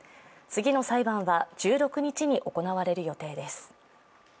次の裁判は１６日に行われる予定です。